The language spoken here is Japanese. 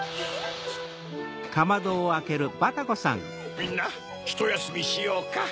みんなひとやすみしようか。